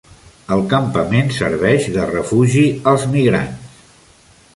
El campament serveix de refugi als migrants.